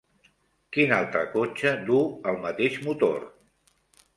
Quin altre cotxe duu el mateix motor?